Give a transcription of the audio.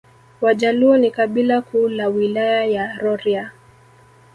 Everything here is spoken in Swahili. Wajaluo ni kabila kuu la Wilaya ya Rorya